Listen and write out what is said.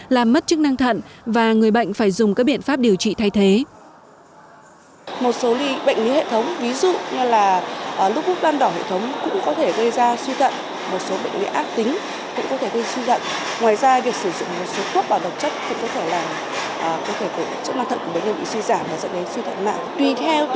làm mất chức năng thận của bệnh nhân ở giai đoạn này càng lâu càng tốt